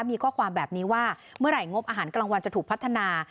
มีข้อความแบบนี้ว่าเมื่อไหร่งบอาหารกลางวันจะถูกพัฒนา